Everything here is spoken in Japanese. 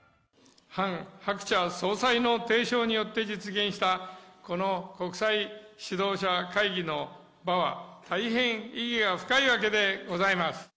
ハン・ハクチャ総裁の提唱によって実現した、この国際指導者会議の場は、大変意義が深いわけでございます。